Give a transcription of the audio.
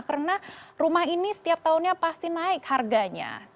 karena rumah ini setiap tahunnya pasti naik harganya